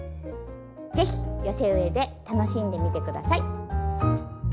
是非寄せ植えで楽しんでみて下さい。